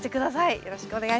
よろしくお願いします。